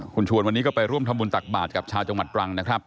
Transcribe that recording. คุณชวนวันนี้ก็ไปร่วมทำบุญตักบาทกับชาวจังหวัดตรังนะครับ